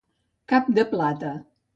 Cap de plata.